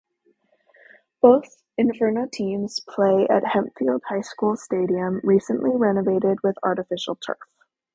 Both Inferno teams play at Hempfield High School's stadium, recently renovated with artificial turf.